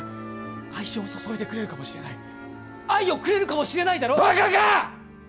愛情を注いでくれるかもしれない愛をくれるかもしれないだろバカか！